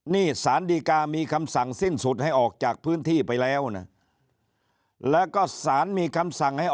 นี่สานดีกามีคำสั่งสิ้นสุดให้ออกจากพื้นที่ไปแล้วนะ